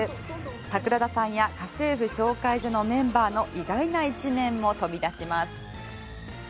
桜田さんや家政婦紹介所のメンバーの意外な一面も飛び出します。